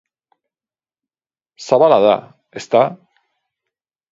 Zabala da, ezta?